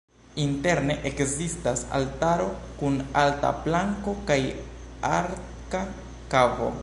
Interne, ekzistas altaro kun alta planko kaj arka kavo.